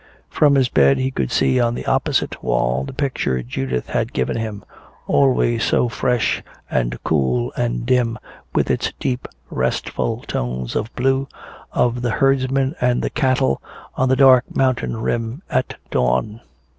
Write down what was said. From his bed he could see on the opposite wall the picture Judith had given him, always so fresh and cool and dim with its deep restful tones of blue, of the herdsmen and the cattle on the dark mountain rim at dawn.